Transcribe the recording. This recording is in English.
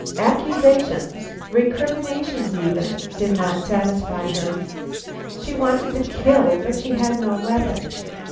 Accusations, recriminations even, did not satisfy her. She wanted to kill; but she had no weapon.